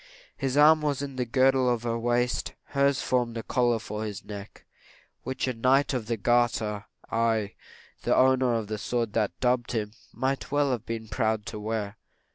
His arm was the girdle of her waist; hers formed a collar for his neck, which a knight of the garter aye, the owner of the sword that dubbed him might well have been proud to wear.